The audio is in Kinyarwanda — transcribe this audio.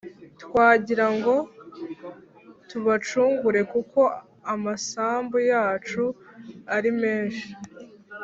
twagira ngo tubacungure kuko amasambu yacu arimenshi